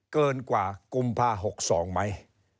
เกินกว่ากุมภา๖๒ไหม